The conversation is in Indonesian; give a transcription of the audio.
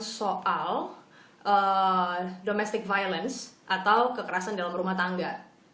soal domestic violence atau kekerasan dalam rumah tangga